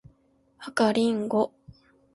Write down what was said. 赤リンゴ